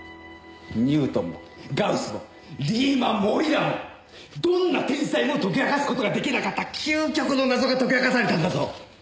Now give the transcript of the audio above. ニュートンもガウスもリーマンもオイラーもどんな天才も解き明かす事が出来なかった究極の謎が解き明かされたんだぞ。